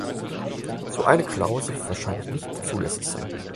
So eine Klausel wird wahrscheinlich nicht zulässig sein.